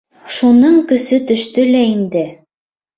Шуның көсө төштө лә инде.